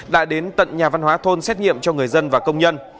đã đến tận nhà văn hóa thôn xét nghiệm cho người dân và công nhân